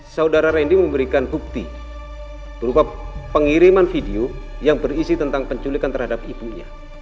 saudara randy memberikan bukti berupa pengiriman video yang berisi tentang penculikan terhadap ibunya